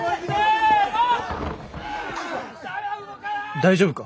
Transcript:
大丈夫か？